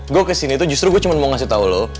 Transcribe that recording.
gue kesini tuh justru gue cuma mau ngasih tau lo